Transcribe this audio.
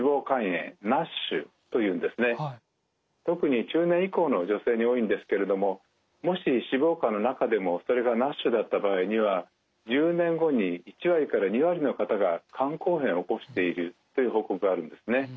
特に中年以降の女性に多いんですけれどももし脂肪肝の中でもそれがＮＡＳＨだった場合には１０年後に１２割の方が肝硬変を起こしているという報告があるんですね。